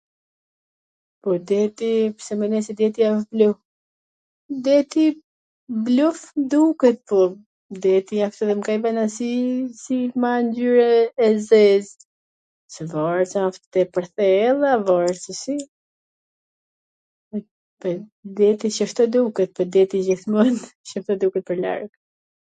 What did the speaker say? Po deti pse menoj se deti asht blu? Deti blu duket, po, deti asht .... si, si ... ma ngjyr e zez... se varet sa asht tepwr thell a varet se si ... deti q ashtu duket, po deti gjithmon q ashtu duket pwr larg.